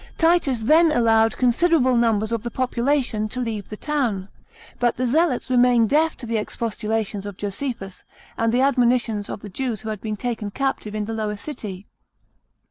Titus then allowed considerable numbers of the population to leave the town ; but the Zealots remained deaf to the expostulations of Josephus, and the admonitions of the Jews who had been taken captive in the lower city.